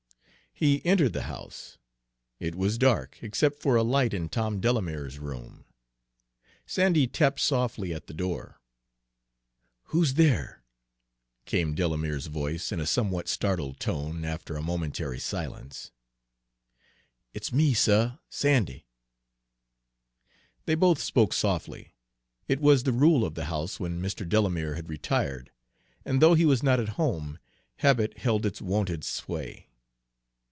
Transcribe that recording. He entered the house. It was dark, except for a light in Tom Delamere's room. Sandy tapped softly at the door. "Who's there?" came Delamere's voice, in a somewhat startled tone, after a momentary silence. "It's me, suh; Sandy." They both spoke softly. It was the rule of the house when Mr. Delamere had retired, and though he was not at home, habit held its wonted sway.